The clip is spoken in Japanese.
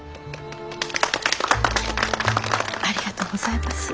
ありがとうございます。